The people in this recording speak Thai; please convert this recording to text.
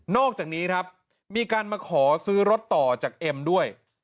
อกจากนี้ครับมีการมาขอซื้อรถต่อจากเอ็มด้วย